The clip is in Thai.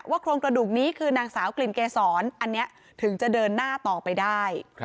โครงกระดูกนี้คือนางสาวกลิ่นเกษรอันนี้ถึงจะเดินหน้าต่อไปได้